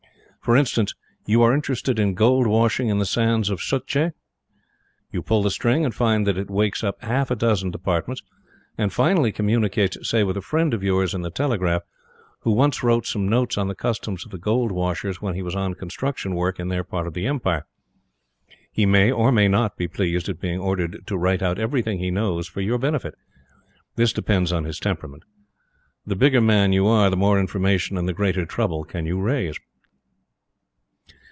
For instance, you are interested in gold washing in the sands of the Sutlej. You pull the string, and find that it wakes up half a dozen Departments, and finally communicates, say, with a friend of yours in the Telegraph, who once wrote some notes on the customs of the gold washers when he was on construction work in their part of the Empire. He may or may not be pleased at being ordered to write out everything he knows for your benefit. This depends on his temperament. The bigger man you are, the more information and the greater trouble can you raise.